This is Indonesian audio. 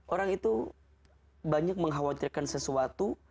orang itu banyak mengkhawatirkan sesuatu